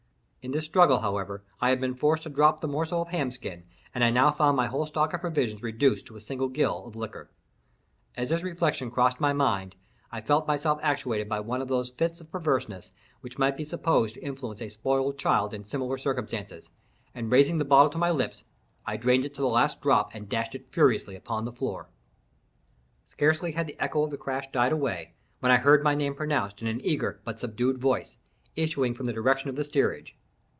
In this struggle, however, I had been forced to drop the morsel of ham skin, and I now found my whole stock of provisions reduced to a single gill of liqueur. As this reflection crossed my mind, I felt myself actuated by one of those fits of perverseness which might be supposed to influence a spoiled child in similar circumstances, and, raising the bottle to my lips, I drained it to the last drop, and dashed it furiously upon the floor. Scarcely had the echo of the crash died away, when I heard my name pronounced in an eager but subdued voice, issuing from the direction of the steerage.